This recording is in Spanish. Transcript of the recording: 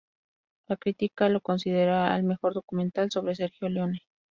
La crítica lo considera el mejor documental sobre Sergio Leone.